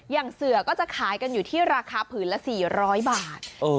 อย่างเสือก็จะขายกันอยู่ที่ราคาผืนละ๔๐๐บาท